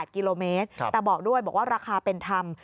กิโลเมตรแต่บอกด้วยบอกว่าราคาเป็นธรรม